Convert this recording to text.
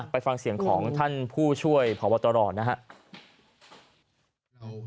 ไปฟังเสียงของท่านผู้ช่วยผอวตรนะฮะ